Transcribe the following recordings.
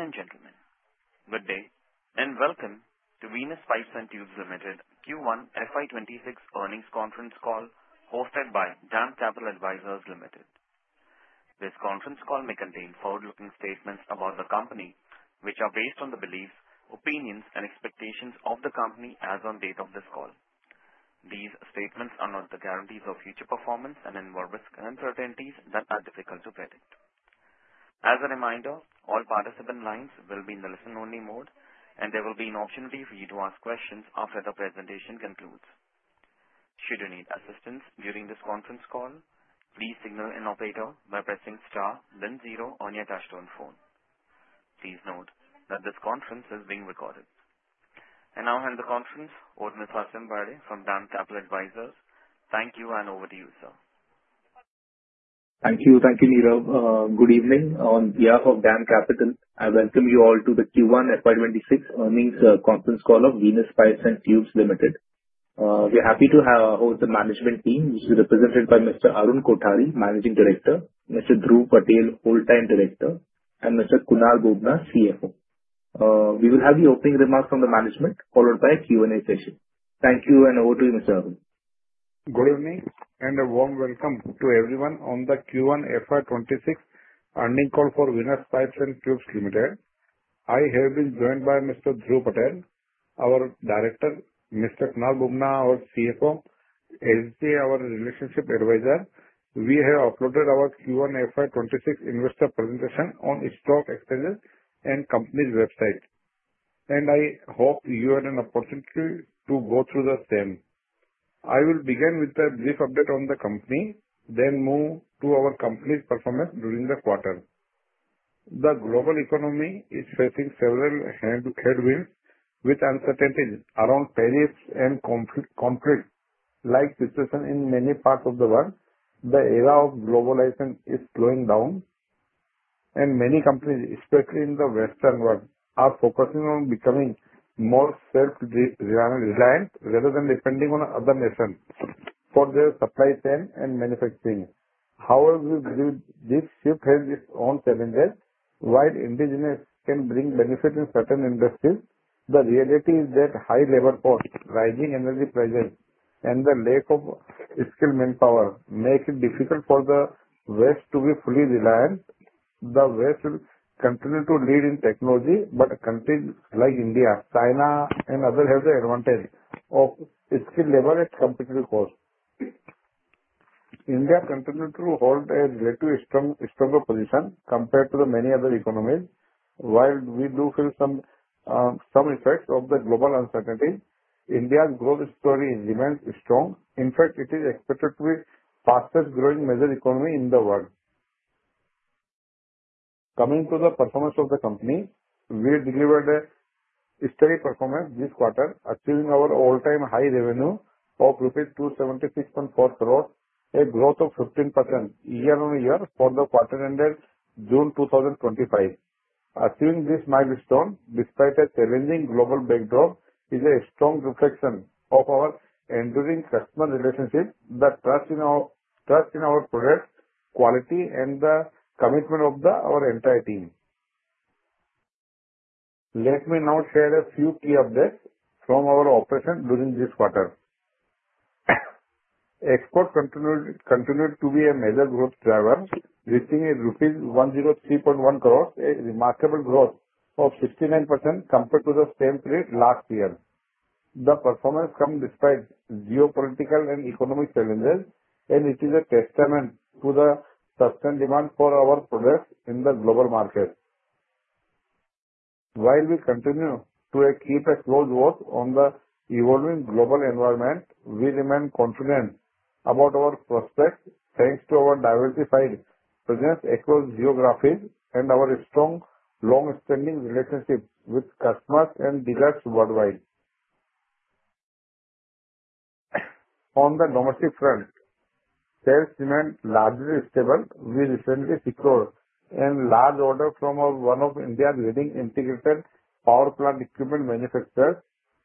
Ladies and gentlemen, good day and welcome to Venus Pipes and Tubes Limited Q1 FY 2026 earnings conference call hosted by DAM Capital Advisors Limited. This conference call may contain forward-looking statements about the company which are based on the beliefs, opinions and expectations of the company as on date of this call. These statements are not the guarantees of future performance and involve risks and uncertainties that are difficult to predict. As a reminder, all participant lines will be in the listen-only mode and there will be an option for you to ask questions after the presentation concludes. Should you need assistance during this conference call, please signal an operator by pressing star then zero on your touchtone phone. Please note that this conference is being recorded. I now hand the conference over to Mr. Ashvin Parekh from DAM Capital Advisors. Thank you and over to you, sir. Thank you, Nirav. Good evening. On behalf of DAM Capital, I welcome you all to the Q1 FY 2026 earnings conference call of Venus Pipes and Tubes Limited. We are happy to host the management team which is represented by Mr. Arun Kothari, Managing Director, Mr. Dhruv Patel, Whole-time Director and Mr. Kunal Bubna, CFO. We will have the opening remarks from the management followed by a Q&A session. Thank you and over to you, Mr. Arun. Good evening and a warm welcome to everyone on the Q1 FY 2026 earning call for Venus Pipes and Tubes Limited. I have been joined by Mr. Dhruv Patel, our Director, Mr. Kunal Bubna, our CFO, SJ our Relationship Advisor. We have uploaded our Q1 FY 2026 investor presentation on stock exchanges and company's website and I hope you had an opportunity to go through the same. I will begin with a brief update on the company, then move to our company's performance during the quarter. The global economy is facing several headwinds with uncertainties around tariffs and conflicts like situation in many parts of the world. The era of globalization is slowing down and many companies, especially in the Western world, are focusing on becoming more self-reliant rather than depending on other nations for their supply chain and manufacturing. However, this shift has its own challenges. While indigenous can bring benefit in certain industries, the reality is that high labor costs, rising energy prices and the lack of skilled manpower make it difficult for the West to be fully reliant. The West will continue to lead in technology, but countries like India, China and others have the advantage of skilled labor at competitive cost. India continues to hold a relatively stronger position compared to many other economies. While we do feel some effects of the global uncertainty, India's growth story remains strong. In fact, it is expected to be fastest-growing major economy in the world. Coming to the performance of the company, we delivered a steady performance this quarter, achieving our all-time high revenue of rupees 276.4 crores, a growth of 15% year-on-year for the quarter ended June 2025. Achieving this milestone despite a challenging global backdrop is a strong reflection of our enduring customer relationships, the trust in our product quality and the commitment of our entire team. Let me now share a few key updates from our operations during this quarter. Export continued to be a major growth driver, reaching rupees 103.1 crore, a remarkable growth of 69% compared to the same period last year. The performance comes despite geopolitical and economic challenges and it is a testament to the sustained demand for our products in the global market. While we continue to keep a close watch on the evolving global environment, we remain confident about our prospects, thanks to our diversified presence across geographies and our strong, long-standing relationships with customers and dealers worldwide. On the domestic front, sales remained largely stable. We recently secured a large order from one of India's leading integrated power plant equipment manufacturers.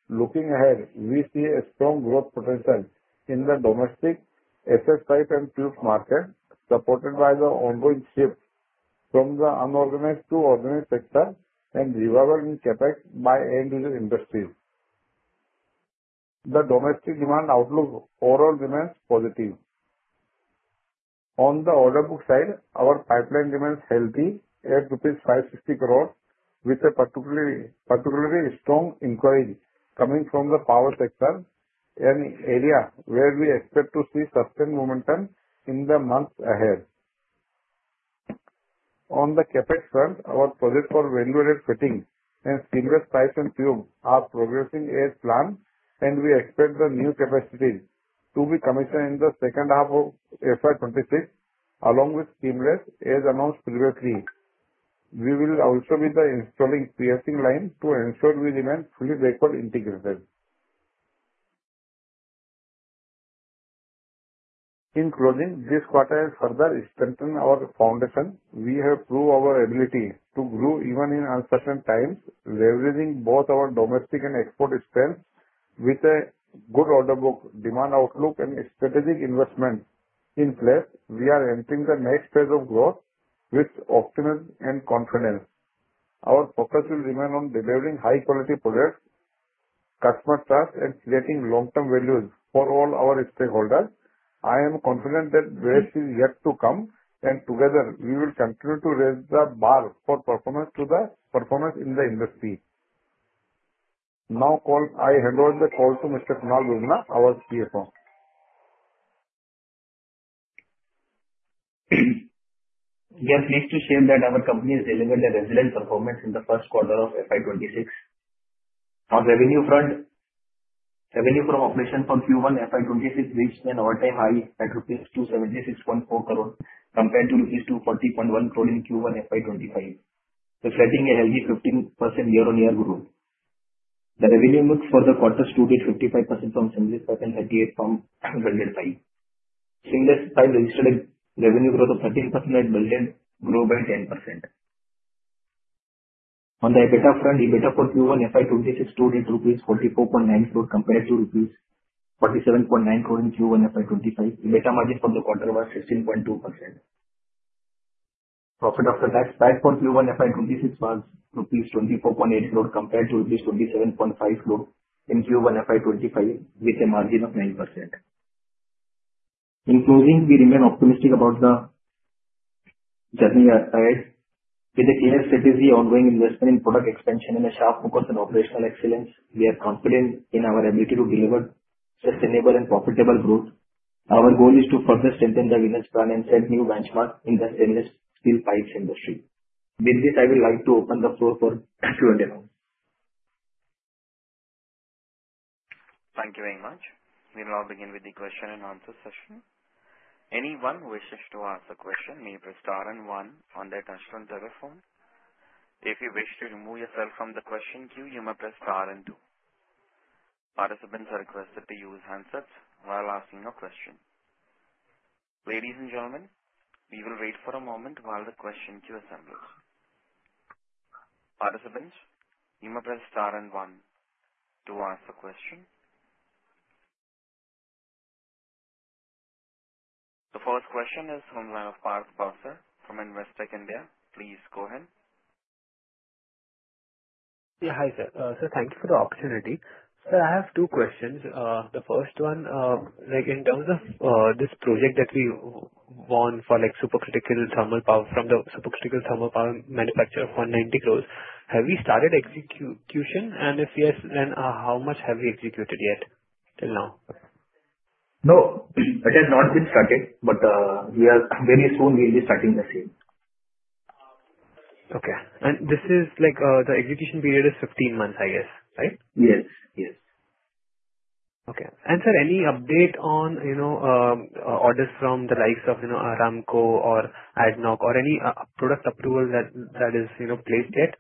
Looking ahead, we see a strong growth potential in the domestic SS pipe and tubes market, supported by the ongoing shift from the unorganized to organized sector and revival in CapEx by end-user industries. The domestic demand outlook overall remains positive. On the order book side, our pipeline remains healthy at rupees 560 crore with a particularly strong inquiry coming from the power sector, an area where we expect to see sustained momentum in the months ahead. On the CapEx front, our project for ring-rolled fittings and seamless pipes and tubes are progressing as planned and we expect the new capacities to be commissioned in the second half of FY 2026 along with seamless as announced previously. We will also be installing piercing line to ensure we remain fully backward integrated. In closing, this quarter has further strengthened our foundation. We have proved our ability to grow even in uncertain times, leveraging both our domestic and export strength. With a good order book, demand outlook, and strategic investment in place, we are entering the next phase of growth with optimism and confidence. Our focus will remain on delivering high-quality products, customer trust, and creating long-term values for all our stakeholders. I am confident that the best is yet to come, and together we will continue to raise the bar for performance in the industry. Now, I hand over the call to Mr. Kunal Bubna, our CFO. We are pleased to share that our company is delivering a resilient performance in the first quarter of FY 2026. On revenue front, revenue from operation from Q1 FY 2026 reached an all-time high at INR 276.4 crore compared to INR 240.1 crore in Q1 FY 2025, reflecting a healthy 15% year-on-year growth. The revenue mix for the quarter stood at 55% from stainless and 38% from welded pipe. Stainless pipe registered a revenue growth of 13% as welded grew by 10%. On the EBITDA front, EBITDA for Q1 FY 2026 stood at INR 44.9 crore compared to INR 47.9 crore in Q1 FY 2025. EBITDA margin for the quarter was 16.2%. Profit after tax for Q1 FY 2026 was rupees 24.8 crore compared to rupees 27.5 crore in Q1 FY 2025 with a margin of 9%. In closing, we remain optimistic about the journey ahead. With a clear strategy, ongoing investment in product expansion, and a sharp focus on operational excellence, we are confident in our ability to deliver sustainable and profitable growth. Our goal is to further strengthen the Venus brand and set new benchmarks in the stainless steel pipes industry. With this, I would like to open the floor for Q&A now. Thank you very much. We will now begin with the question and answer session. Anyone who wishes to ask a question may press star and one on their touchtone telephone. If you wish to remove yourself from the question queue, you may press star and two. Participants are requested to use handsets while asking a question. Ladies and gentlemen, we will wait for a moment while the question queue assembles. Participants, you may press star and one to ask a question. The first question is from Parth Bhansali from Investech India. Please go ahead. Yeah. Hi, sir. Sir, thank you for the opportunity. Sir, I have two questions. The first one, in terms of this project that we won from the supercritical thermal power manufacturer of 190 crores, have we started execution? If yes, how much have we executed yet till now? No, it has not been started, very soon we'll be starting the same. The execution period is 15 months, I guess, right? Yes. Okay. Sir, any update on orders from the likes of Aramco or ADNOC or any product approval that is placed yet?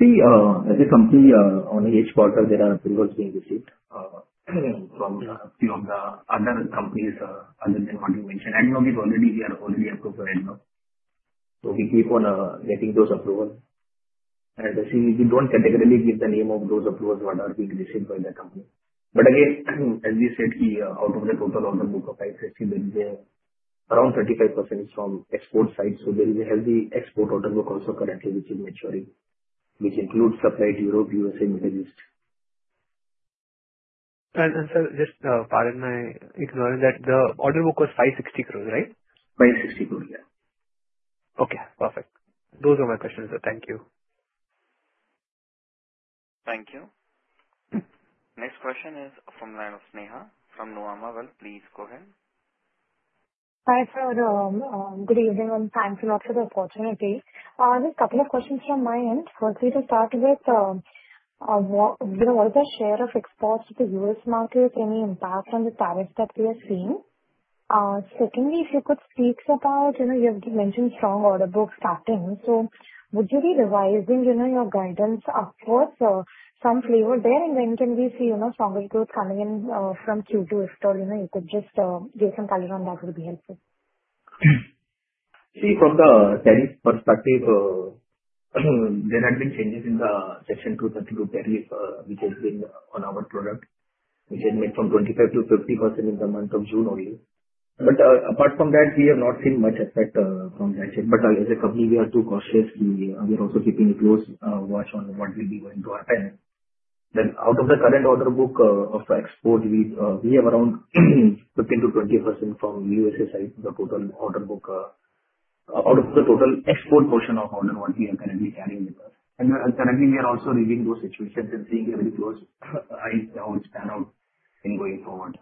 See, as a company, on each quarter there are approvals being received from a few of the other companies other than what you mentioned. ADNOC we are already approved for right now. We keep on getting those approvals. We don't categorically give the name of those approvals what are being received by the company. Again, as we said, out of the total order book of 560, around 35% is from export side. There is a healthy export order book also currently which is maturing. Which includes supply to Europe, U.S.A., and Middle East. Sir, just pardon my ignorance that the order book was 560 crores, right? 560 crores, yeah. Okay, perfect. Those are my questions, sir. Thank you. Thank you. Next question is from line of Sneha from Nomura. Well, please go ahead. Hi, sir. Good evening, and thank you all for the opportunity. Just a couple of questions from my end. Firstly, to start with, what is the share of exports to the U.S. market? Any impact from the tariffs that we are seeing? Secondly, if you could speak about, you have mentioned strong order book starting, so would you be revising your guidance upwards or some flavor there? When can we see stronger growth coming in from Q2? If you could just give some color on that, would be helpful. See, from the tariff perspective, there had been changes in the Section 232 tariff which has been on our product, which had made from 25%-50% in the month of June only. Apart from that, we have not seen much effect from that yet. As a company, we are too cautious. We are also keeping a close watch on what will be going to happen. Out of the current order book of the export, we have around 15%-20% from U.S.A. side of the total export portion of order what we are currently carrying. Currently, we are also reading those situations and keeping a very close eye on standout and going forward.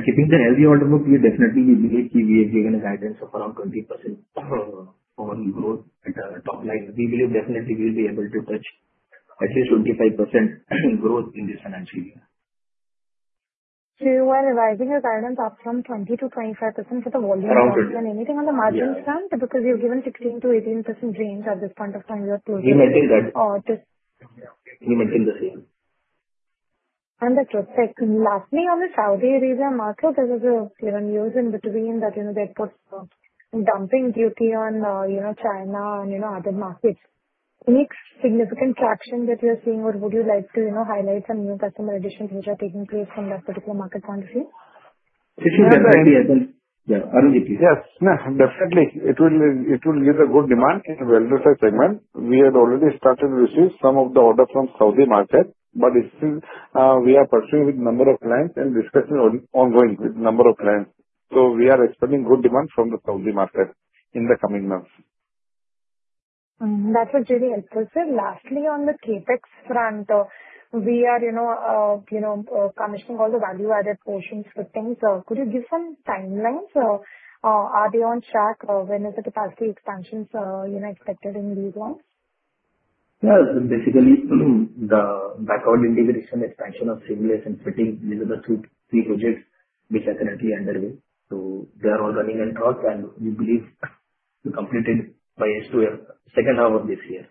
Keeping the healthy order book, we definitely believe we have given a guidance of around 20% overall growth at the top line. We believe definitely we'll be able to touch at least 25% growth in this financial year. You are revising your guidance up from 20%-25% for the volume. Around it anything on the margin front? Yeah. You've given 16%-18% range at this point of time we are closing in. We maintain that. Or just- We maintain the same Understood. Thank you. Lastly, on the Saudi Arabia market, there was news in between that they put dumping duty on China and other markets. Any significant traction that you're seeing or would you like to highlight some new customer additions which are taking place from that particular market point of view? Yes. Definitely. It will give a good demand in the welded segment. We had already started to receive some of the orders from Saudi market. We are pursuing with number of clients and discussion ongoing with number of clients. We are expecting good demand from the Saudi market in the coming months. That's really helpful. Sir, lastly, on the CapEx front, we are commissioning all the value-added portions fittings. Could you give some timelines? Are they on track? When is the capacity expansions expected in these ones? Yes. Basically, the backward integration expansion of seamless and fittings, these are the three projects which are currently underway. They are all running on track, and we believe to be completed by second half of this year.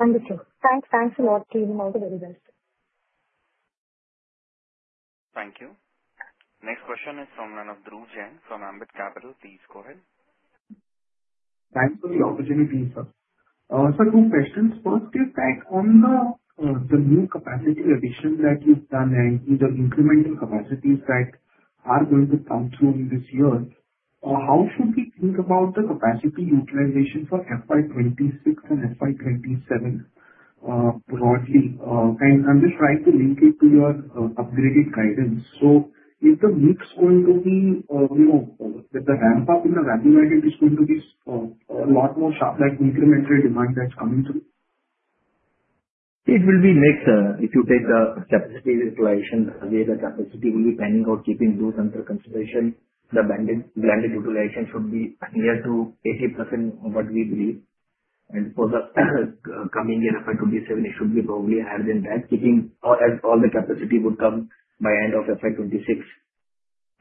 Understood. Thanks a lot. Wishing you all the very best. Thank you. Next question is from Dhruv Jain from Ambit Capital. Please go ahead. Thanks for the opportunity, sir. Sir, two questions. First, on the new capacity addition that you've done and these are incremental capacities that are going to come through in this year. How should we think about the capacity utilization for FY 2026 and FY 2027 broadly? I'm just trying to link it to your upgraded guidance. Is the mix going to be with the ramp-up in the value-added is going to be a lot more sharp like incremental demand that's coming through? It will be mixed. If you take the capacity utilization, the way the capacity will be panning out, keeping those under consideration, the blended utilization should be near to 80%, what we believe. For the coming year, FY 2027, it should be probably higher than that. All the capacity would come by end of FY 2026.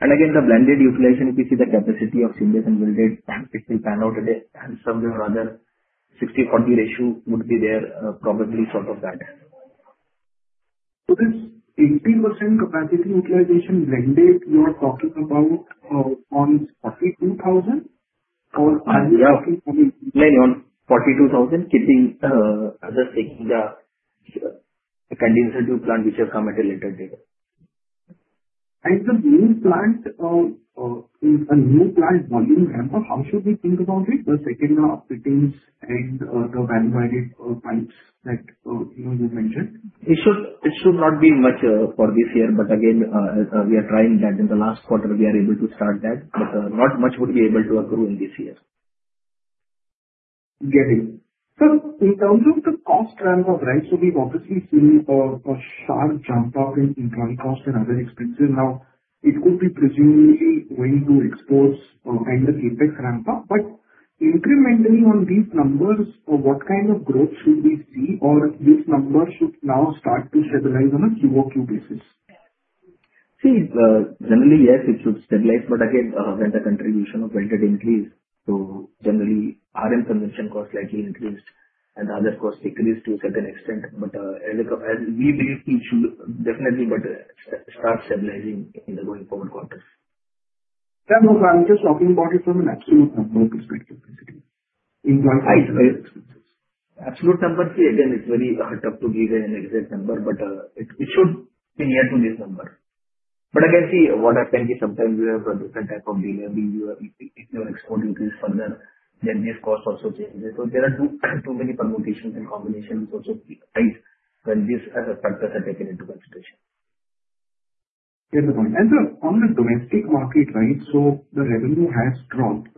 Again, the blended utilization, if you see the capacity of seamless and welded, it will pan out, and some way or other, 60/40 ratio would be there, probably sort of that. This 80% capacity utilization blended you're talking about on 42,000 or- Blended on 42,000 keeping the condenser tube plant which have come at a later date. The new plant volume ramp-up, how should we think about it? The second half fittings and the value-added pipes that you mentioned. It should not be much for this year. Again, we are trying that in the last quarter we are able to start that, but not much would be able to accrue in this year. Get it. Sir, in terms of the cost ramp-up, we've obviously seen a sharp jump up in employee cost and other expenses. Now, it could be presumably going to expose any CapEx ramp-up. Incrementally on these numbers, what kind of growth should we see or these numbers should now start to stabilize on a QOQ basis? Generally, yes, it should stabilize. Again, when the contribution of welded increased, generally, iron consumption cost slightly increased and other costs decreased to a certain extent. We believe it should definitely start stabilizing in the going forward quarters. Sir, no, I'm just talking about it from an absolute number perspective basically. Employee Absolute numbers, again, it's very tough to give an exact number, but it should be near to this number. Again, see, what happens is sometimes we have different type of behavior. If your export increase further, then this cost also changes. There are too many permutations and combinations also arise when these factors are taken into consideration. Get the point. Sir, on the domestic market, the revenue has dropped.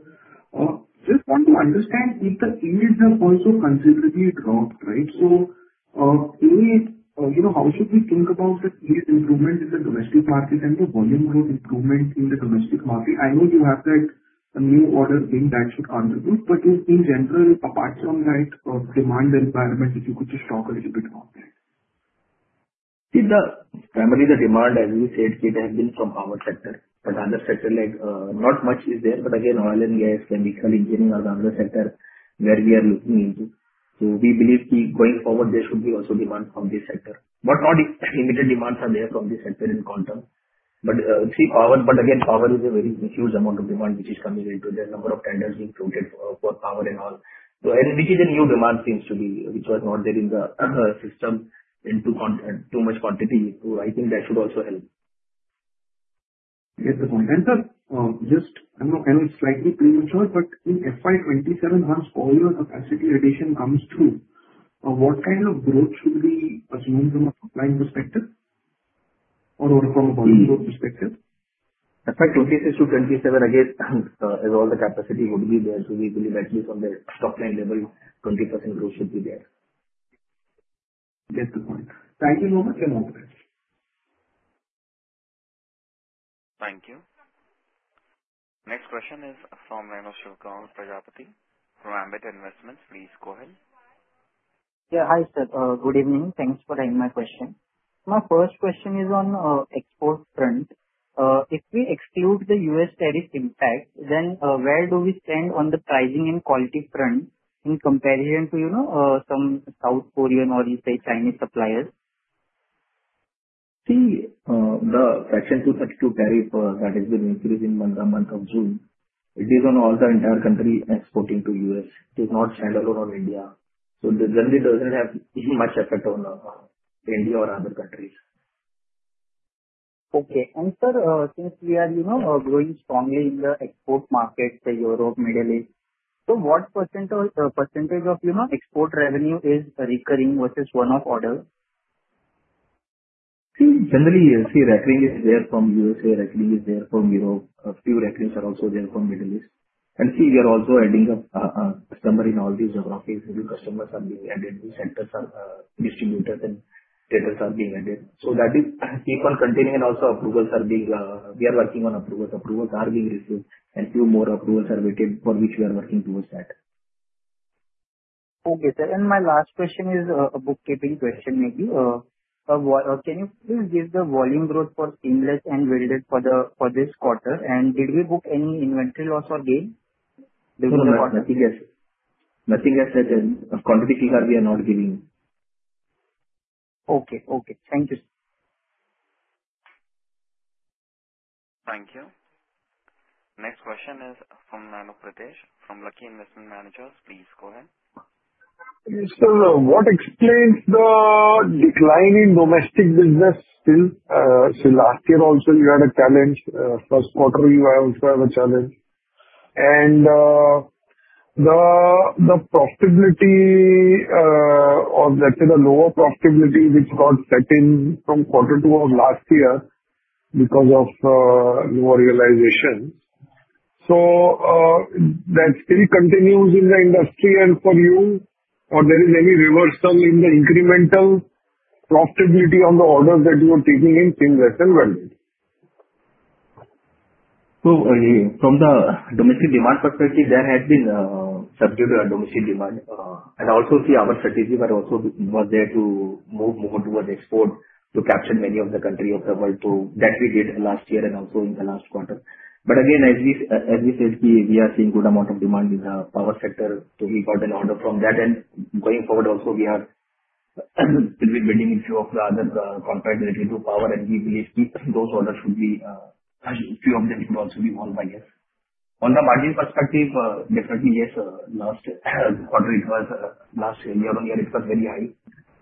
Just want to understand if the input have also considerably dropped, right? A, how should we think about the improvement in the domestic market and the volume growth improvement in the domestic market? I know you have said a new order win that should come through. In general, apart from that demand environment, if you could just talk a little bit about that. See, primarily the demand, as you said, it has been from power sector. Other sector, not much is there. Again, oil and gas, chemical engineering are the other sector where we are looking into. We believe going forward, there should be also demand from this sector. Not immediate demands are there from this sector in quantum. Again, power is a very huge amount of demand which is coming into the number of tenders being floated for power and all. Which is a new demand seems to be, which was not there in the system in too much quantity. I think that should also help. Get the point. Sir, I know it's slightly premature, in FY 2027, once all your capacity addition comes through, what kind of growth should we assume from a top-line perspective or from a bottom-line perspective? FY 2026 to 2027, again, all the capacity would be there. We believe at least on the top-line level, 20% growth should be there. Get the point. Thank you very much. I'm okay. Thank you. Next question is from one of Shilpa Prajapati from Ambit Investments. Please go ahead. Hi, sir. Good evening. Thanks for taking my question. My first question is on export trend. If we exclude the U.S. tariff impact, then where do we stand on the pricing and quality front in comparison to some South Korean or Chinese suppliers? The Section 232 tariff that has been increased in the month of June, it is on all the entire country exporting to U.S. It is not standalone on India. Generally, it doesn't have much effect on India or other countries. Okay. Sir, since we are growing strongly in the export market, say Europe, Middle East. What % of export revenue is recurring versus one-off order? Generally, recurring is there from U.S., recurring is there from Europe. A few recurrings are also there from Middle East. We are also adding up customer in all these geographies. New customers are being added. New centers are distributed and centers are being added. That will keep on continuing and also we are working on approvals. Approvals are being received and few more approvals are waiting, for which we are working towards that. Okay, sir. My last question is a bookkeeping question, maybe. Can you please give the volume growth for seamless and welded for this quarter? Did we book any inventory loss or gain? No, nothing as such. Quantities we are not giving. Okay. Thank you. Thank you. Next question is from Manav Pritish, from Lucky Investment Managers. Please go ahead. Yes, sir. What explains the decline in domestic business still? Last year also you had a challenge. First quarter you also have a challenge. The profitability, or let's say the lower profitability which got set in from quarter 2 of last year because of lower realization. That still continues in the industry and for you, or there is any reversal in the incremental profitability on the orders that you are taking in seamless and welded. From the domestic demand perspective, there has been a subdued domestic demand. Our strategies were also more there to move more towards export to capture many of the country of the world. That we did last year and also in the last quarter. Again, as we said, we are seeing good amount of demand in the power sector. We got an order from that, and going forward also we will be bidding in few of the other contracts related to power, and we believe even those orders few of them could also be won by us. On the margin perspective, definitely yes, last year it was very high.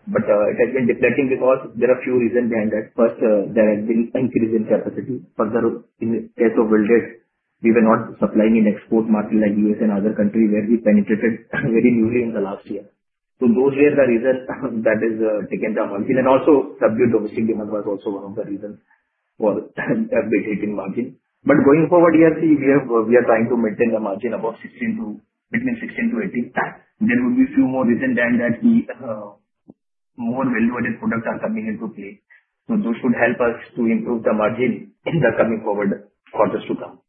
It has been deflecting because there are few reasons behind that. First, there has been increase in capacity. Further, in case of welded, we were not supplying in export market like U.S. and other country where we penetrated very newly in the last year. Those were the reasons that has taken down margin, and also subdued domestic demand was also one of the reason for hitting margin. Going forward, we are trying to maintain the margin between 16-18. There will be few more reason than that the more value-added products are coming into play. Those should help us to improve the margin in the coming forward quarters to come.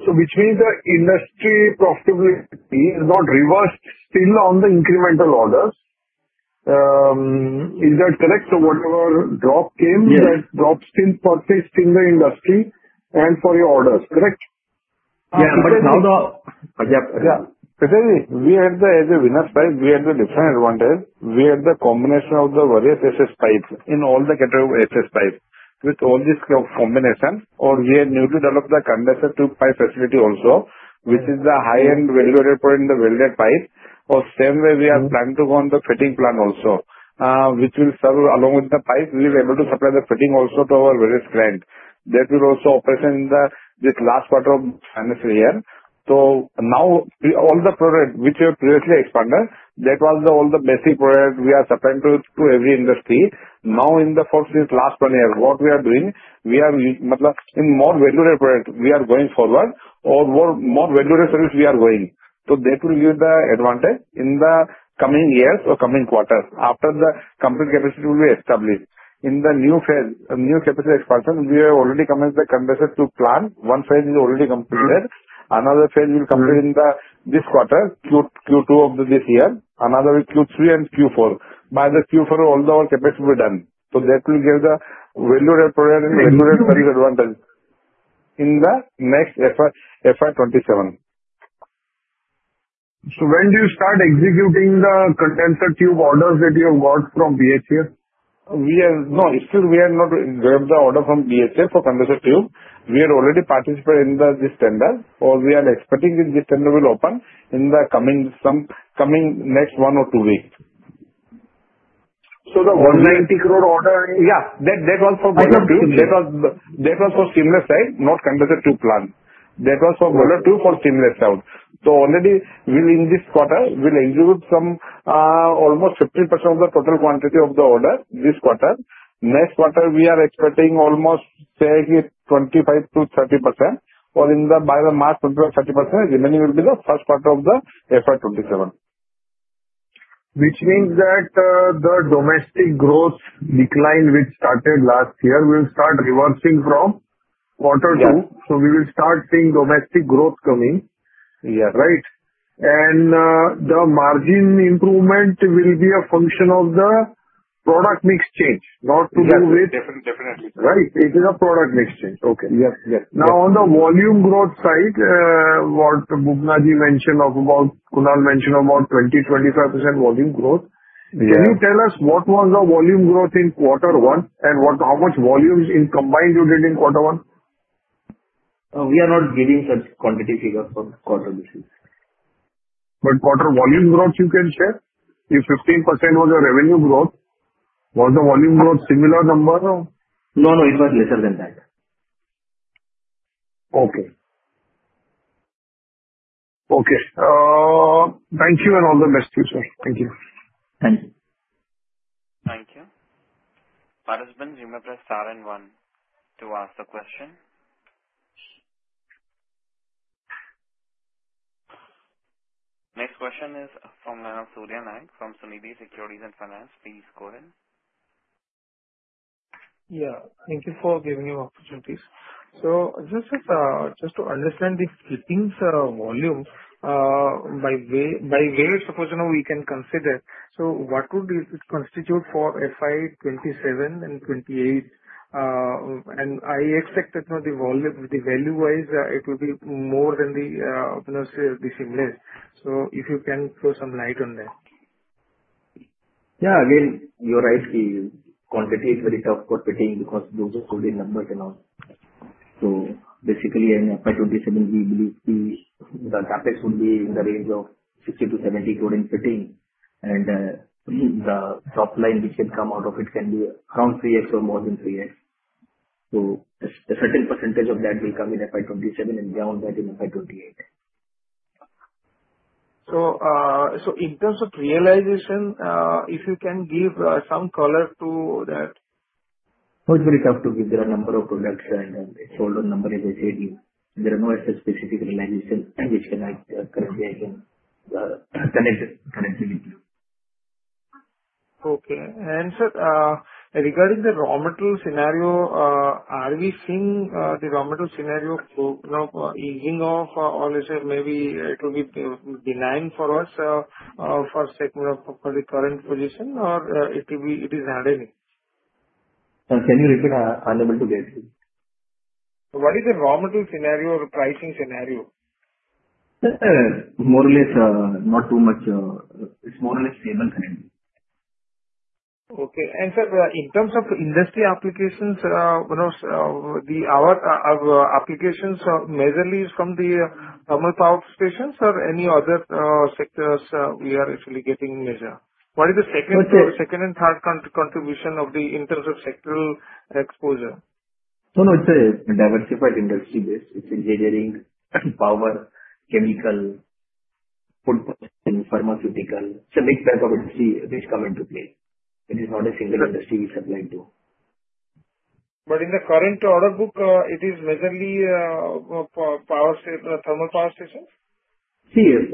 Which means the industry profitability is not reversed still on the incremental orders. Is that correct? Yes. That drop still persists in the industry and for your orders, correct? Yeah. Yeah. Prithish ji, as a Venus Pipe, we have the different advantage. We have the combination of the various SS pipes in all the category of SS pipes. With all this combination or we have newly developed the condenser tube pipe facility also, which is the high-end value-added point in the welded pipe. Same way we are planning to go on the fitting plant also, which will serve along with the pipe. We will be able to supply the fitting also to our various clients. That will also operation in this last quarter of financial year. Now all the products which we have previously expanded, that was all the basic products we are supplying to every industry. Now in the last one year, what we are doing, in more value-added product we are going forward or more value-added service we are going. That will give the advantage in the coming years or coming quarters after the complete capacity will be established. In the new phase, new capacity expansion, we have already commenced the condenser tube plant. One phase is already completed. Another phase will complete in this quarter, Q2 of this year, another in Q3 and Q4. By the Q4, all the whole capacity will be done. That will give the value-added product and value-added service advantage in the next FY27. When do you start executing the condenser tube orders that you have got from BHEL? Still we have not grabbed the order from BHEL for condenser tube. We are already participating in this tender, we are expecting this tender will open in the coming next one or two weeks. The 180 crore order. Yeah, that was for boiler tube. That was for seamless pipe, not condenser tube plant. That was for boiler tube, for seamless out. Already within this quarter, we'll execute almost 50% of the total quantity of the order this quarter. Next quarter, we are expecting almost 25%-30%. By the March, 30%. Remaining will be the first quarter of the FY 2027. Which means that the domestic growth decline which started last year will start reversing from Quarter two. Yeah. We will start seeing domestic growth coming. Yeah. Right? The margin improvement will be a function of the product mix change, not to do with. Yes, definitely, sir. Right? It is a product mix change. Okay. Yes. Now, on the volume growth side, what Bhuvanaji mentioned about, Kunal mentioned about 20, 25% volume growth. Yeah. Can you tell us what was the volume growth in quarter one, and how much volumes in combined you did in quarter one? We are not giving such quantity figure for quarter this year. Quarter volume growth you can share. If 15% was the revenue growth, was the volume growth similar number? No, it was lesser than that. Okay. Okay. Thank you, and all the best to you, sir. Thank you. Thank you. Thank you. Our next speaker is Saran Wan to ask a question. Next question is from Surya Nair from Suniti Securities and Finance. Please go ahead. Thank you for giving me opportunities. Just to understand the clippings volume, by way, supposing we can consider, what would it constitute for FY 2027 and 2028? I expect that the value-wise, it will be more than the seamless. If you can throw some light on that. Again, you're right. The quantity is very tough for fitting because those are coded numbers and all. Basically, in FY 2027, we believe the carpets will be in the range of 60-70 coding fitting and the top line which will come out of it can be around 3x or more than 3x. The certain percentage of that will come in FY 2027 and beyond that in FY 2028. In terms of realization, if you can give some color to that. It's very tough to give the number of products and the sold-out number, as I said, there are no such specific realizations which can act currently as in connected with you. Sir, regarding the raw material scenario, are we seeing the raw material scenario easing off or maybe it will be benign for us for the current position or it is hardening? Currently, we are unable to gauge it. What is the raw material scenario or pricing scenario? More or less, not too much. It's more or less stable. Okay. Sir, in terms of industry applications, our applications majorly is from the thermal power stations or any other sectors we are actually getting major. What is the second and third contribution in terms of sectoral exposure? No, it's a diversified industry base. It's engineering, power, chemical, food processing, pharmaceutical. It's a mixed bag of industry which come into play. It is not a single industry we supply to. In the current order book, it is majorly power, thermal power stations?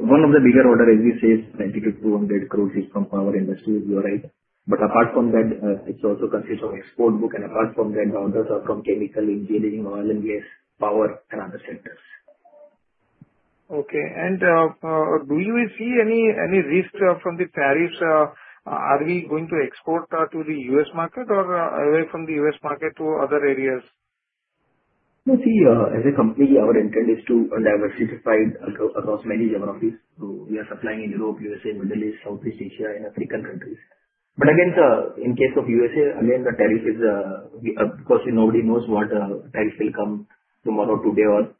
One of the bigger order, as we say, 92 crore-200 crore is from power industry. You are right. Apart from that, it also consists of export book. Apart from that, others are from chemical, engineering, oil and gas, power, and other sectors. Okay. Do we see any risk from the tariffs? Are we going to export to the U.S. market or away from the U.S. market to other areas? No. As a company, our intent is to diversify across many geographies. We are supplying in Europe, U.S., Middle East, Southeast Asia, and African countries. Again, sir, in case of U.S., again, the tariff is Of course, nobody knows what tariffs will come tomorrow, today or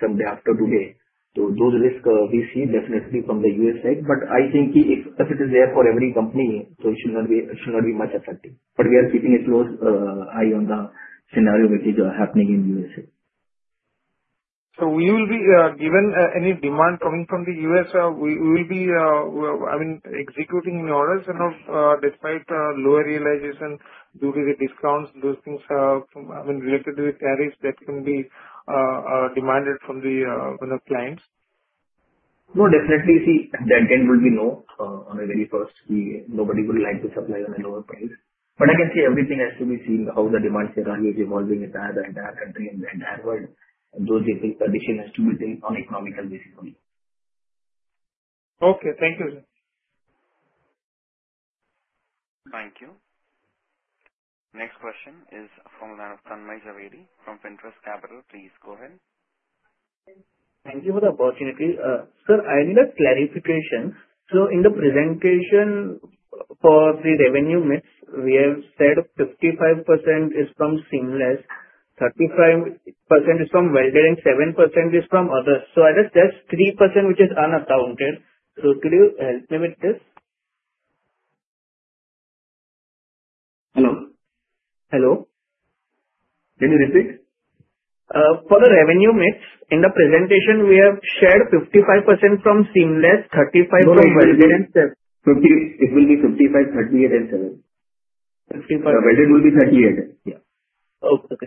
someday after today. Those risks we see definitely from the U.S. side. I think as it is there for every company, it should not be much effective. We are keeping a close eye on the scenario which is happening in U.S. We will be given any demand coming from the U.S., we will be executing orders despite lower realization due to the discounts, those things related to the tariffs that can be demanded from the clients. No, definitely. Nobody would like to supply on a lower price. I can say everything has to be seen how the demand scenario is evolving with the entire country and the entire world. Those decisions have to be taken on economical basis only. Okay. Thank you, sir. Thank you. Next question is from Tanmay Zaveri from Pinterest Capital. Please go ahead. Thank you for the opportunity. Sir, I need a clarification. In the presentation for the revenue mix, we have said 55% is from seamless, 35% is from welding, 7% is from others. I guess there's 3% which is unaccounted. Could you help me with this? Hello. Hello. Can you repeat? For the revenue mix, in the presentation we have shared 55% from seamless, 35 from welding- No, it will be 55, 38, and seven. Fifty-five- The welding will be 38. Yeah. Okay,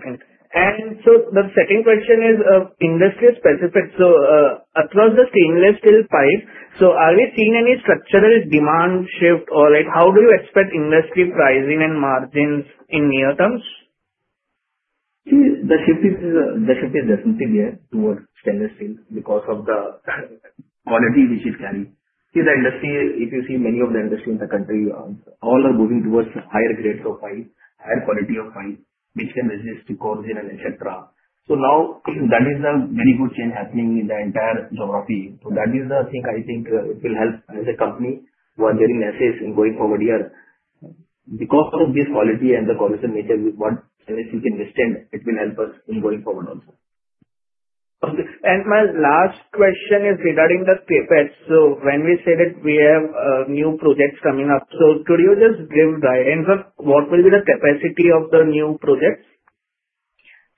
thank you. The second question is industry specific. Across the seamless steel pipes, are we seeing any structural demand shift or how do you expect industry pricing and margins in near terms? See, the shift is definitely there towards stainless steel because of the quality which it carries. If you see many of the industry in the country, all are moving towards higher grades of pipe, higher quality of pipe, which can resist corrosion, et cetera. Now, that is a very good change happening in the entire geography. That is the thing I think it will help as a company who are dealing in SS going forward here. Because of this quality and the corrosion nature which one stainless steel can withstand, it will help us in going forward also. Okay. My last question is regarding the CapEx. When we say that we have new projects coming up, could you just give the input, what will be the capacity of the new projects?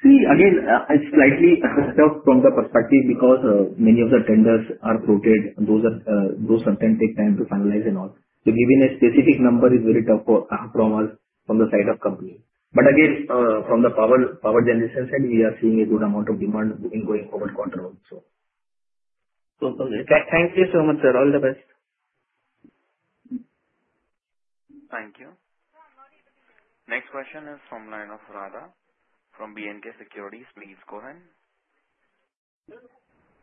See, again, it's slightly tough from the perspective because many of the tenders are floated. Those sometimes take time to finalize and all. Giving a specific number is very tough for us from the side of company. Again, from the power generation side, we are seeing a good amount of demand in going forward quarter also. Okay. Thank you so much, sir. All the best. Thank you. Next question is from line of Radha from BNK Securities. Please go ahead.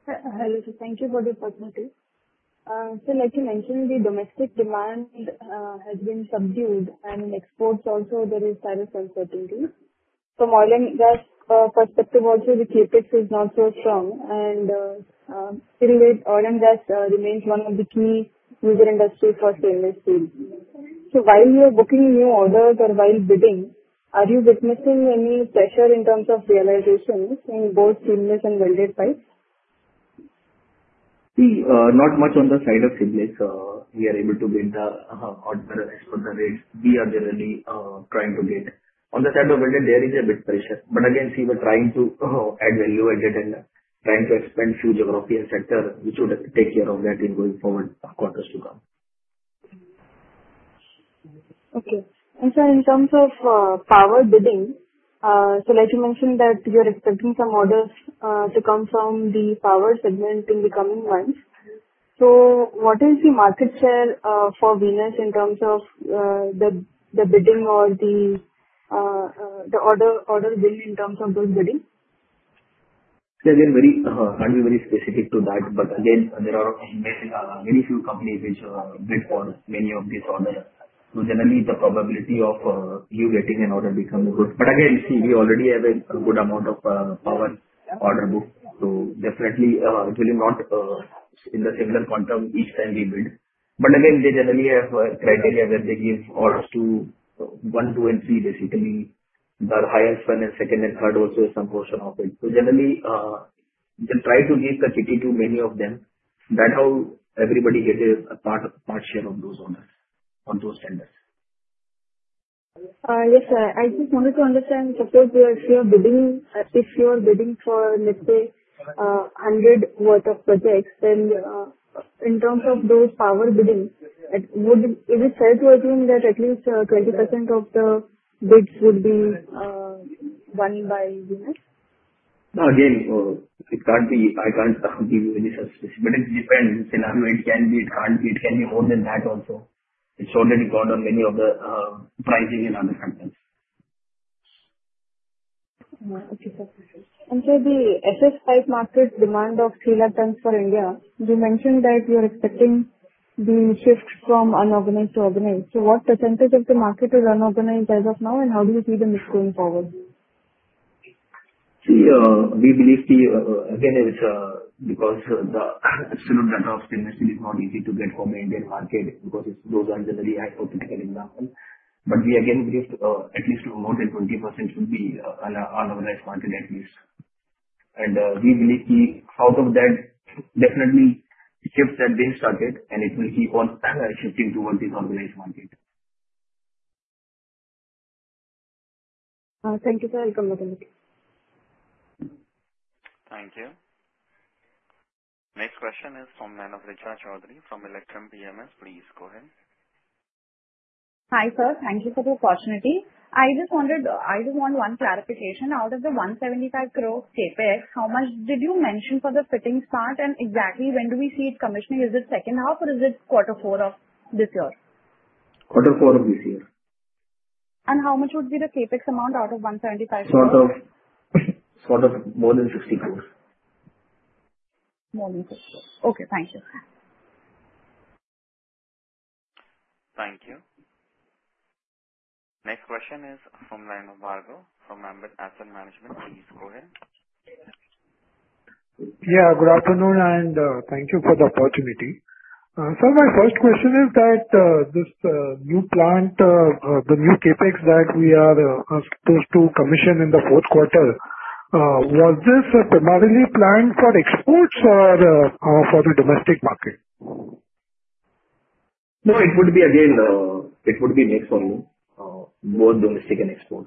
Hello, sir. Thank you for the opportunity. Sir, like you mentioned, the domestic demand has been subdued and in exports also, there is certain uncertainty. From oil and gas perspective also, the CapEx is not so strong and, anyway oil and gas remains one of the key user industries for stainless steel. While you are booking new orders or while bidding, are you witnessing any pressure in terms of realizations in both seamless and welded pipes? See, not much on the side of seamless. We are able to get the order as per the rates we are generally trying to get. On the side of welded, there is a bit pressure. Again, see, we're trying to add value-added and trying to expand few geography and sector, which would take care of that in going forward quarters to come. Okay. Sir, in terms of power bidding, like you mentioned that you are expecting some orders to come from the power segment in the coming months. What is the market share for Venus in terms of the bidding or the order win in terms of those biddings? They can't be very specific to that. Again, there are very few companies which bid for many of these orders. Generally, the probability of you getting an order becomes good. Again, see, we already have a good amount of power order book. Definitely, actually not in the similar quantum each time we bid. Again, they generally have a criteria where they give orders to one, two, and three basically. The highest one, second, and third also some portion of it. Generally, they try to give the kitty to many of them. That's how everybody gets his part share on those tenders. Yes, sir. I just wanted to understand, suppose if you are bidding for, let's say, 100 worth of projects, then in terms of those power bidding, is it fair to assume that at least 20% of the bids would be won by Venus? No, again, I can't give you any such specific, it depends. It can be, it can't be. It can be more than that also. It's already got on many of the pricing and other factors. Okay, sir. Thank you. Sir, the SS pipe market demand of 3 lakh tonnes for India. You mentioned that you are expecting the shift from unorganized to organized. What % of the market is unorganized as of now, and how do you see the mix going forward? See, we believe, again, because the absolute data of stainless steel is not easy to get from Indian market, because those are generally hypothetical examples. We, again, believe at least more than 20% should be unorganized market, at least. We believe out of that, definitely shifts are being started, and it will keep on shifting towards the organized market. Thank you, sir. Welcome. Thank you. Next question is from line of Richa Chaudhary from Electrum PMS. Please go ahead. Hi, sir. Thank you for the opportunity. I just want one clarification. Out of the 175 crore CapEx, how much did you mention for the fittings part, and exactly when do we see it commissioning? Is it second half or is it quarter four of this year? Quarter four of this year. How much would be the CapEx amount out of 175 crore? Sort of more than 60 crore. More than 60. Okay. Thank you. Thank you. Next question is from line of Margo from Amber Asset Management. Please go ahead. Yeah. Good afternoon. Thank you for the opportunity. Sir, my first question is that this new plant, the new CapEx that we are supposed to commission in the fourth quarter, was this primarily planned for exports or for the domestic market? No, it would be a mix of both domestic and export.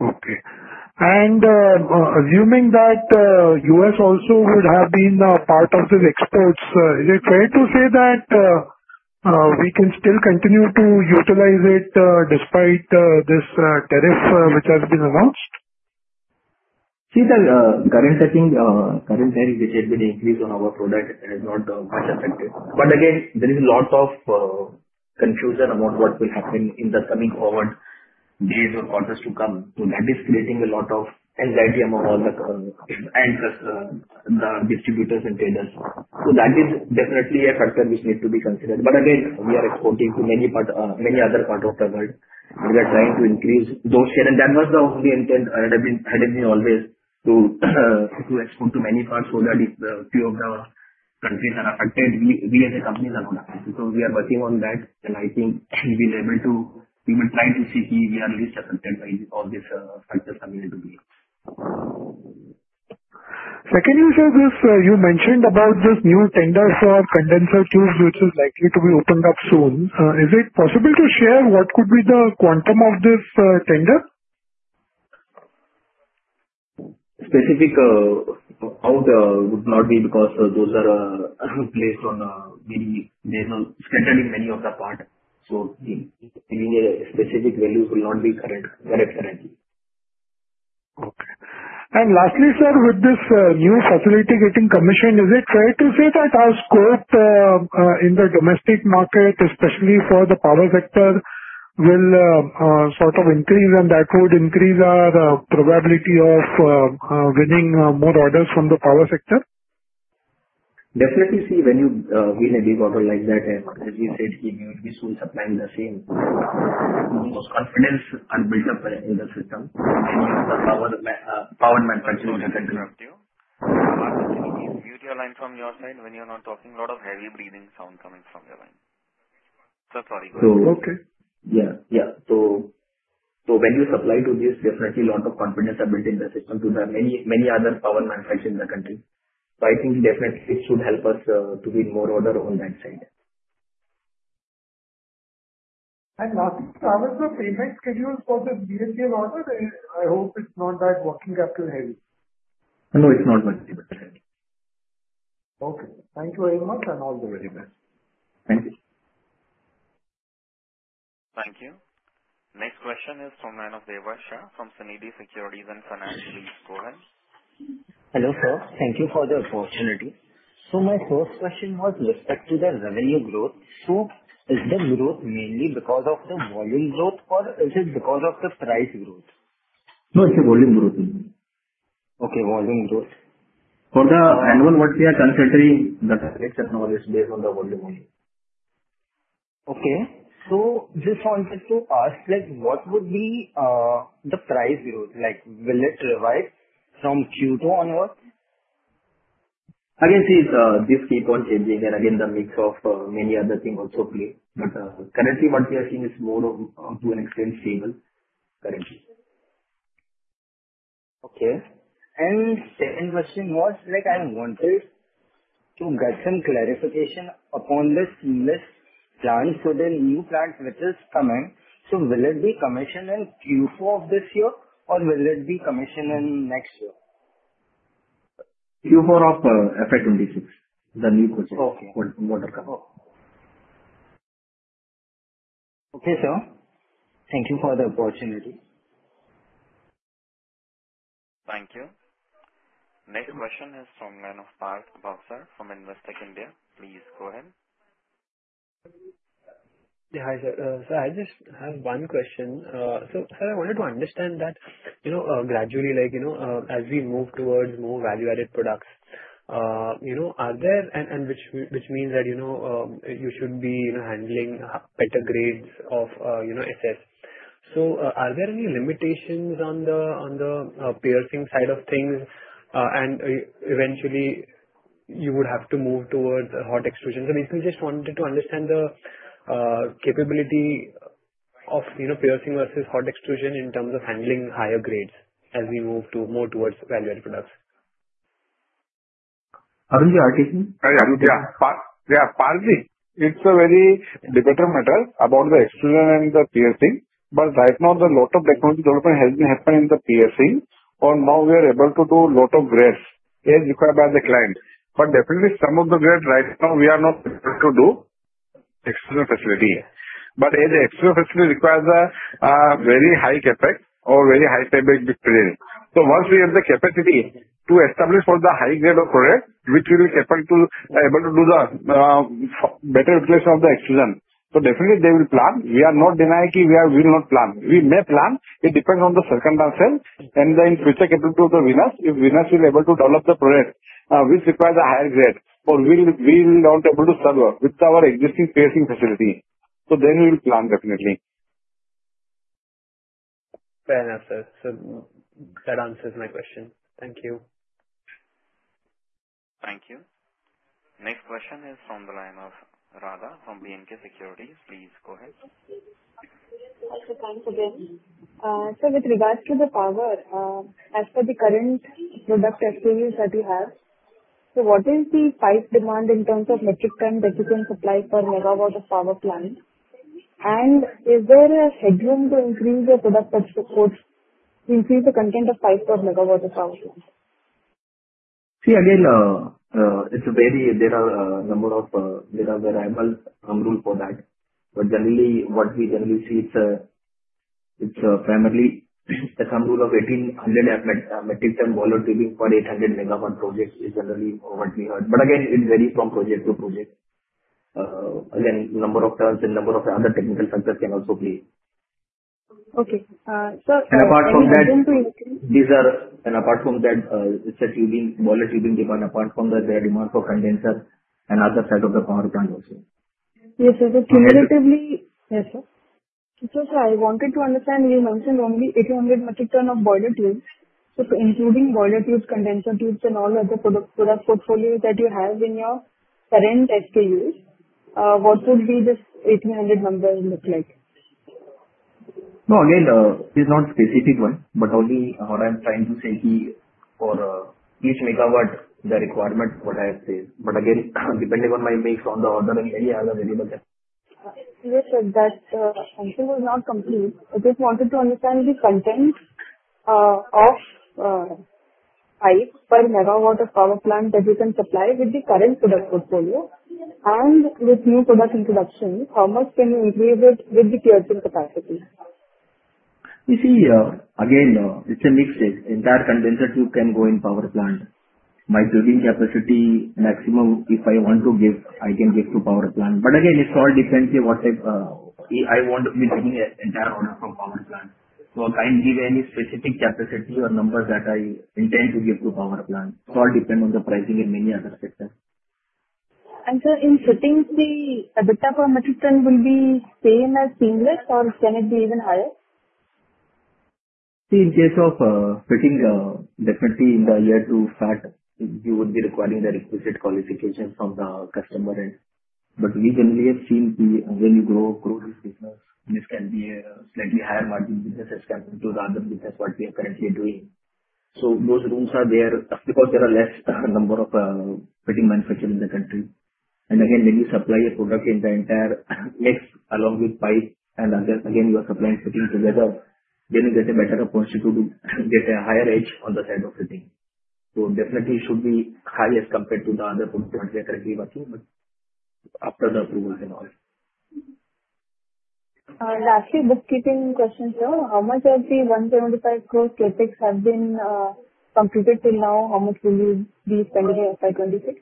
Okay. Assuming that U.S. also would have been part of the exports, is it fair to say that we can still continue to utilize it despite this tariff which has been announced? The current setting, current tariff which has been increased on our product has not much affected. Again, there is a lot of confusion about what will happen in the coming forward days or quarters to come. That is creating a lot of anxiety among all the distributors and traders. That is definitely a factor which needs to be considered. Again, we are exporting to many other parts of the world. We are trying to increase those shares, that was the only intent, had been always to export to many parts so that if few of the countries are affected, we as a company are not. We are working on that, and I think we'll be able to. We will try to see we are least affected by all these factors coming into play. Secondly, sir, you mentioned about this new tender for condenser tubes, which is likely to be opened up soon. Is it possible to share what could be the quantum of this tender? Specific out would not be, because they're scattered in many of the parts. Giving a specific value will not be correct currently. Okay. Lastly, sir, with this new facility getting commissioned, is it right to say that our scope in the domestic market, especially for the power sector, will sort of increase, that would increase our probability of winning more orders from the power sector? Definitely. See, when you win a big order like that, as we said, we will be supplying the same. Confidence are built up in the system. Sir, sorry to interrupt you. Mute your line from your side when you are not talking. Lot of heavy breathing sound coming from your line. So- Okay. Yeah. When you supply to this, definitely lot of confidence are built in the system. There are many other power manufacturers in the country. I think definitely it should help us to win more order on that side. lastly, sir, what's the payment schedule for this BHEL order? I hope it's not that working capital heavy. No, it's not working capital heavy. Okay, thank you very much all the very best. Thank you. Thank you. Next question is from Manoj Dewajia from Suniti Securities and Finance. Go ahead. Hello, sir. Thank you for the opportunity. My first question was with respect to the revenue growth. Is the growth mainly because of the volume growth or is it because of the price growth? No, it's a volume growth only. Okay, volume growth. For the annual what we are considering, the targets and all is based on the volume only. Okay. Just wanted to ask, what would be the price growth? Will it revise from Q2 onwards? Again, see, this keep on changing and again, the mix of many other things also play. Currently what we are seeing is more to an extent stable, currently. Okay. Second question was, I wanted to get some clarification upon this seamless plant. The new plant which is coming, will it be commissioned in Q4 of this year or will it be commissioned in next year? Q4 of FY 2026. Okay. Will come. Okay. Okay, sir. Thank you for the opportunity. Thank you. Next question is from Manoj Parkash Bagar from Investech India. Please go ahead. Yeah, hi sir. I just have one question. Sir, I wanted to understand that gradually, as we move towards more value-added products, which means that you should be handling better grades of SS. Are there any limitations on the piercing side of things and eventually you would have to move towards hot extrusion? Initially, just wanted to understand the capability of piercing versus hot extrusion in terms of handling higher grades as we move more towards value-added products. Arun, are you listening? Yeah, partly. It's a very debated matter about the extrusion and the piercing. Right now, the lot of technology development has been happening in the piercing. For now we are able to do lot of grades as required by the clients. Definitely some of the grades right now we are not able to do extrusion facility. The extrusion facility requires a very high CapEx or very high payment beforehand. Once we have the capacity to establish for the high grade of product, which we'll be able to do the better utilization of the extrusion. Definitely they will plan. We are not denying we will not plan. We may plan. It depends on the circumstances and the future capability of the Venus. If Venus will be able to develop the product which require the higher grade, or we will not able to serve with our existing piercing facility, we will plan definitely. Fair enough, sir. That answers my question. Thank you. Thank you. Next question is from the line of Radha from BNK Securities. Please go ahead. Hi, sir. Thanks again. With regards to the power, as per the current product experience that you have, what is the pipe demand in terms of metric ton that you can supply per megawatt of power plant? Is there a headroom to increase the product, increase the content of pipe per megawatt of power plant? See, again, there are a number of variables for that. Generally, what we see is primarily the thumb rule of 1,800 metric ton boiler tubing for 800 megawatt projects is generally what we heard. Again, it varies from project to project. Again, number of tons and number of other technical factors can also play. Okay. Sir. Apart from that boiler tubing requirement, apart from that, the demand for condenser and other side of the power plant also. Yes, sir. Cumulatively. Yes, sir. Sir, I wanted to understand, you mentioned only 1,800 metric ton of boiler tubes. Including boiler tubes, condenser tubes, and all other product portfolio that you have in your current SKUs, what would be this 1,800 number look like? No, again, this is not specific one, only what I'm trying to say is for each megawatt, the requirement what I have said, again, depending on my mix on the order and many other variable. Yes, sir. That sentence was not complete. I just wanted to understand the contents of pipe per megawatt of power plant that you can supply with the current product portfolio, and with new product introduction, how much can you increase it with the existing capacity? You see, again, it's a mix. Entire condenser tube can go in power plant. My tubing capacity maximum, if I want to give, I can give to power plant. Again, it all depends on what type. I won't be taking an entire order from power plant. I can't give any specific capacity or numbers that I intend to give to power plant. It all depends on the pricing and many other factors. Sir, in fittings, the EBITDA per metric ton will be same as seamless, or can it be even higher? See, in case of fitting, definitely in the year to start, you would be requiring the requisite qualifications from the customer end. We generally have seen when you grow this business, this can be a slightly higher margin business as compared to the other business what we are currently doing. Those rooms are there because there are less number of fitting manufacturer in the country. Again, when you supply a product in the entire mix along with pipe and other, again, you are supplying fittings together, then you get a better opportunity to get a higher edge on the side of fitting. Definitely it should be highest compared to the other products we are currently working, but after the approvals and all. Bookkeeping question, sir. How much of the $175 million CapEx has been completed till now? How much will you be spending in FY 2026?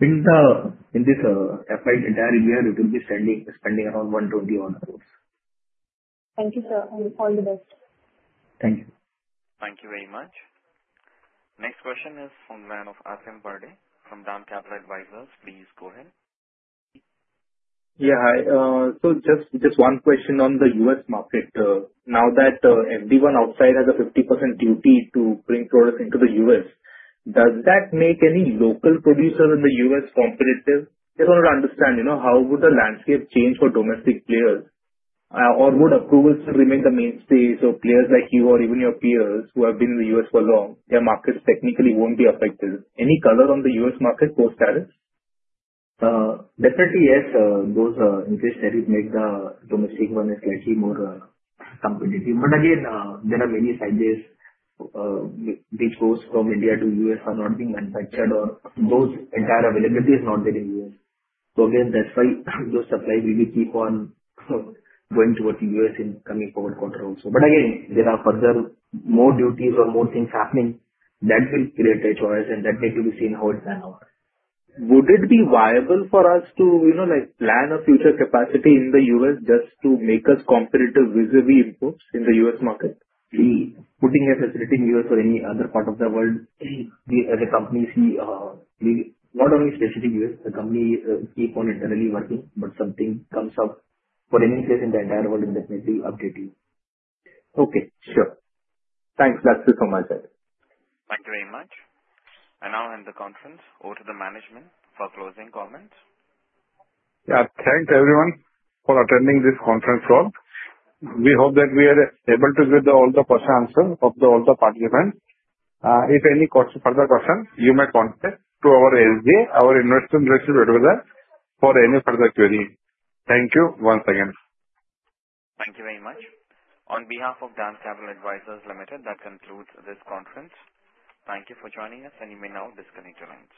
In this entire year, we will be spending around $120 million. Thank you, sir. All the best. Thank you. Thank you very much. Next question is from Man of Asian Paint, from DAM Capital Advisors. Please go ahead. Just one question on the U.S. market. Now that everyone outside has a 50% duty to bring products into the U.S., does that make any local producer in the U.S. competitive? Just want to understand, how would the landscape change for domestic players? Would approvals still remain the mainstay? Players like you or even your peers who have been in the U.S. for long, their markets technically won't be affected. Any color on the U.S. market post tariffs? Definitely yes. Those increased tariffs make the domestic one slightly more competitive. Again, there are many sizes which goes from India to U.S. are not being manufactured, or those entire availability is not there in U.S. Again, that's why those supplies we will keep on going towards U.S. in coming forward quarter also. Again, there are further more duties or more things happening that will create a choice, and that needs to be seen how it pan out. Would it be viable for us to plan a future capacity in the U.S. just to make us competitive vis-a-vis imports in the U.S. market? See, putting a facility in U.S. or any other part of the world, as a company, see, we not only strategic U.S., the company keep on internally working, but something comes up for any place in the entire world. That may be updating. Okay. Sure. Thanks. That's it from my side. Thank you very much. I now hand the conference over to the management for closing comments. Yeah. Thanks everyone for attending this conference call. We hope that we are able to give all the person answer of all the participants. If any further questions, you may contact to our SGA, our investor relations director for any further query. Thank you once again. Thank you very much. On behalf of Dam Capital Advisors Limited, that concludes this conference. Thank you for joining us, and you may now disconnect your lines.